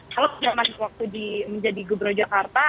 kalau sudah masih waktu menjadi gubernur jakarta